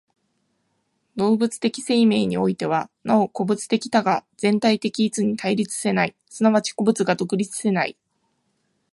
動物的生命においては、なお個物的多が全体的一に対立せない、即ち個物が独立せない。